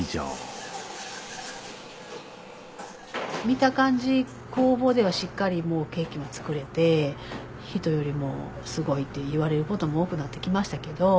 見た感じ工房ではしっかりもうケーキも作れて人よりもすごいって言われることも多くなって来ましたけど。